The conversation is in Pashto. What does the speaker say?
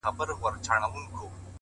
پوهه د ذهن زنګونه ماتوي’